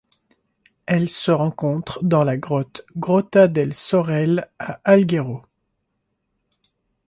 Elle se rencontre dans la grotte Grotta del Sorel à Alghero.